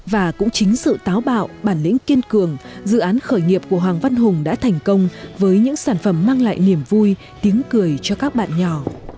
và cũng chính sự táo bạo bản lĩnh kiên cường dự án khởi nghiệp của hoàng văn hùng đã thành công với những sản phẩm mang lại niềm vui tiếng cười cho các bạn nhỏ